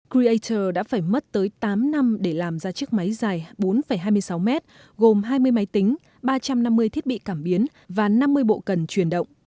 greatter đã phải mất tới tám năm để làm ra chiếc máy dài bốn hai mươi sáu mét gồm hai mươi máy tính ba trăm năm mươi thiết bị cảm biến và năm mươi bộ cần truyền động